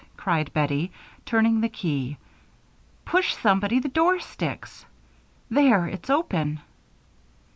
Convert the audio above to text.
cried Bettie, turning the key. "Push, somebody; the door sticks. There! It's open."